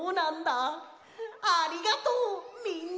ありがとうみんな！